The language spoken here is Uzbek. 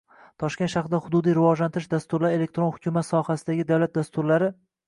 Toshkent shahrida hududiy rivojlantirish dasturlari elektron hukumat sohasidagi davlat dasturlari